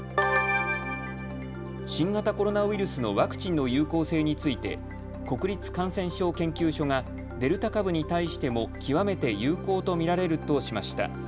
新型コロナウイルスのワクチンの有効性について国立感染症研究所がデルタ株に対しても極めて有効と見られるとしました。